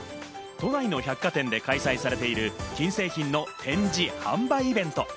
都内の百貨店で開催されている金製品の展示・販売イベント。